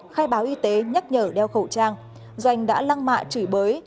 khai báo y tế nhắc nhở đeo khẩu trang doanh đã lăng mạ chửi bới